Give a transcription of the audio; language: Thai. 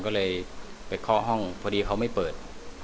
ก็เลยไปเคาะห้องพอดีเขาไม่เปิด